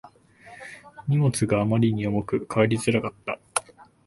荷物があまりに重くて帰りがつらかった